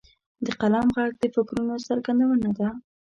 د قلم ږغ د فکرونو څرګندونه ده.